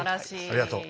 ありがとう。